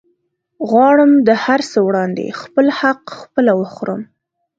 غواړم د هرڅه وړاندې خپل حق خپله وخورم